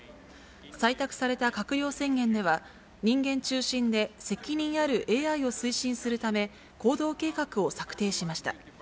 採択された閣僚宣言では、人間中心で責任あるＡＩを推進するため、行動計画を策定しました。